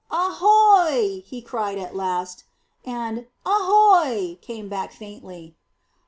"Ahoy!" he cried at last, and "Ahoy!" came back faintly.